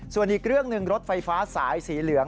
ส่วนอีกเรื่องหนึ่งรถไฟฟ้าสายสีเหลือง